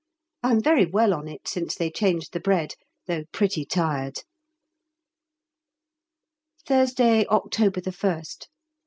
I am very well on it now since they changed the bread, though pretty tired. _Thursday, October 1st.